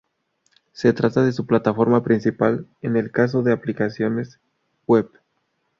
Se trata de su plataforma principal en el caso de aplicaciones web.